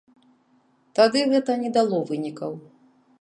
Тады гэта не дало вынікаў.